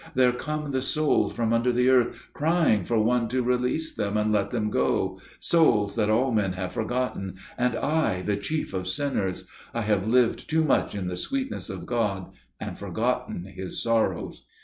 There come the souls from under the earth, crying for one to release them and let them go––souls that all men have forgotten, and I, the chief of sinners.... I have lived too much in the sweetness of God and forgotten His sorrows."